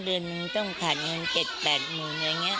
เดือนนึงต้องขาดเงิน๗๘หมื่นอย่างนี้